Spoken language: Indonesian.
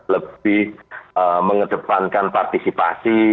lebih mengedepankan partisipasi